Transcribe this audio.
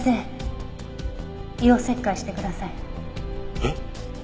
えっ？